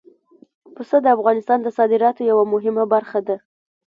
پسه د افغانستان د صادراتو یوه مهمه برخه ده.